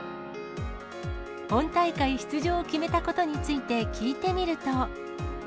本大会出場を決めたことについて聞いてみると。